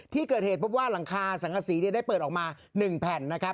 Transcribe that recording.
ที่เกิดเหตุพบว่าหลังคาสังกษีได้เปิดออกมา๑แผ่นนะครับ